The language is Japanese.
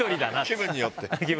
気分によって。